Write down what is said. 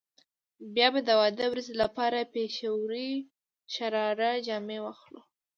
بيا به د واده ورځې لپاره پيښورۍ شراره جامې واخلو.